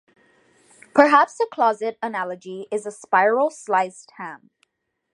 Perhaps the closest analogy is a spiral-sliced ham.